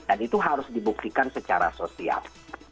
dan itu harus dibuktikan secara sosial